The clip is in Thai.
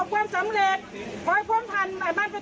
พลพลันต์ใหม่บ้านประจำทั้งกวงค่ะ